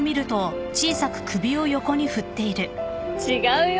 違うよ。